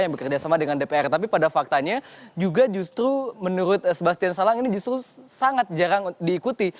yang bekerja sama dengan dpr tapi pada faktanya juga justru menurut sebastian salang ini justru sangat jarang diikuti